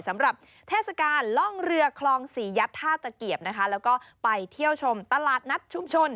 สำหรับเทศกาลล่องเรือคลองสี่ยัดท่าตะเกียบนะคะแล้วก็ไปเที่ยวชมตลาดนัดชุมชน